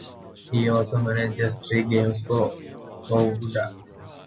He also managed just three games for Aguada.